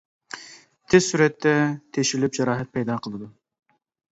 تېز سۈرئەتتە تېشىلىپ جاراھەت پەيدا قىلىدۇ.